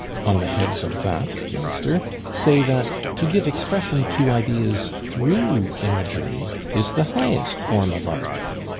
On the heads of that, youngster, say that to give expression to ideas through imagery is the highest form of art.